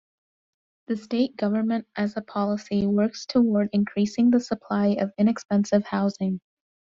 The state government as a policy works toward increasing the supply of inexpensive housing.